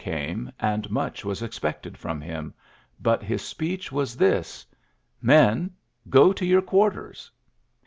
GEANT 39 and mucli was expected from him ; but his speech was this : ^^Men, go to your qiMtrters."